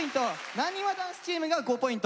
なにわ男子チームが５ポイント。